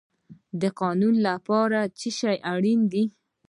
د قانون لپاره څه شی اړین دی؟